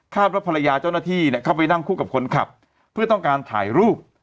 ว่าภรรยาเจ้าหน้าที่เข้าไปนั่งคู่กับคนขับเพื่อต้องการถ่ายรูป